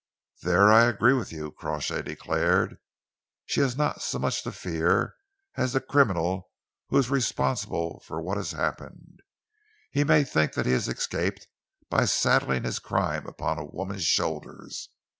"There I agree with you," Crawshay declared. "She has not so much to fear as the criminal who is responsible for what has happened. He may think that he has escaped by saddling his crime upon a woman's shoulders.